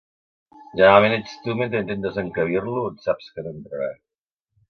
Generalment ets tu mentre intentes encabir-lo on saps que no entrarà.